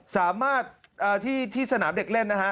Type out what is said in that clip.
สามารถที่สนามเด็กเล่นนะฮะ